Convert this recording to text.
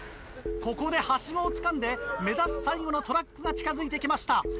ここでハシゴをつかんで目指す最後のトラックが近づいて来ました。